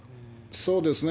そうですね。